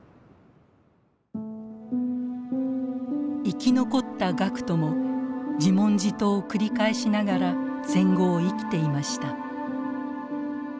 生き残った学徒も自問自答を繰り返しながら戦後を生きていました。